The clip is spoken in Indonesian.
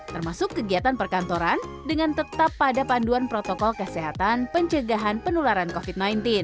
termasuk kegiatan perkantoran dengan tetap pada panduan protokol kesehatan pencegahan penularan covid sembilan belas